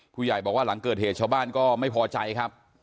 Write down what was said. ผู้ใหญ่บอกว่าหลังเกิดเหตุชาวบ้านก็ไม่พอใจครับ